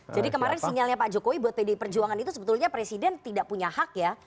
jadi kemarin sinyalnya pak jokowi buat pd pejuangan itu sebetulnya presiden tidak punya hak ya